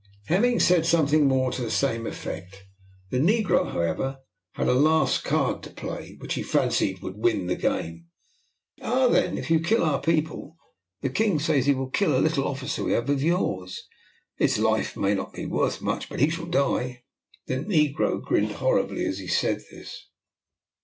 Hemming said something more to the same effect. The negro had, however, a last card to play, which he fancied would win the game. "Ah, then, if you kill our people, the king says he will kill a little officer we have of yours. His life may not be worth much, but he shall die." The negro grinned horribly as he said this.